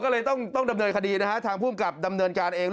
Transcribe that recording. ก็เลยต้องดำเนินคดีนะฮะทางภูมิกับดำเนินการเอง